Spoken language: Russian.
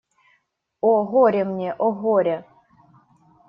О, горе мне… о, горе!